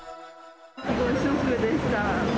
すごいショックでした。